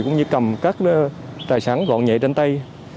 cũng như cầm các tài sản gọn nhẹ trên tay